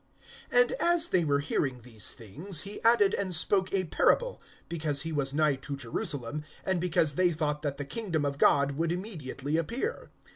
(11)And as they were hearing these things, he added and spoke a parable, because he was nigh to Jerusalem, and because they thought that the kingdom of God would immediately appear.